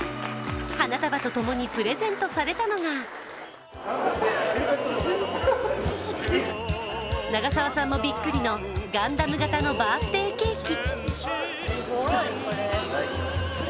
花束と共にプレゼントされたのが長澤さんもびっくりのガンダム型のバースデーケーキ。